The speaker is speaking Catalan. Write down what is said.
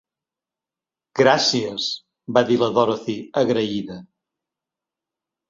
"Gràcies", va dir la Dorothy, agraïda.